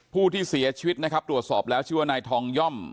ผู้ที่เสียชีวิตนะครับตรวจสอบแล้วชื่อว่านายทองย่อม